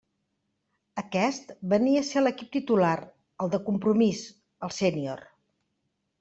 Aquest venia a ser l'equip titular, el de compromís, el sènior.